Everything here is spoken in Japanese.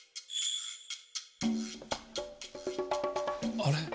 あれ？